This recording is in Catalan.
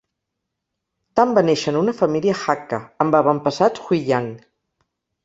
Tam va néixer en una família Hakka, amb avantpassats Huiyang.